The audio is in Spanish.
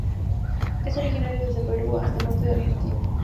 Es originario desde Perú hasta el norte de Argentina.